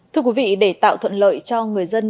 thưa quý vị để tạo thuận lợi cho người dân